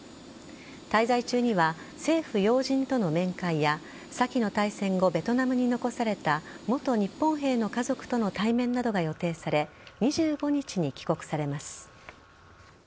滞在中には政府要人との面会や先の大戦後ベトナムに残された元日本兵の家族との対面などが予定され２５日に帰国されます。